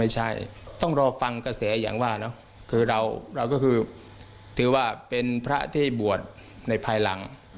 ใช่น้อยกว่า